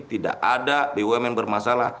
tidak ada bumn bermasalah